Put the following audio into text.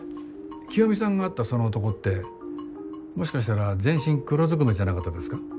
清美さんが会ったその男ってもしかしたら全身黒ずくめじゃなかったですか？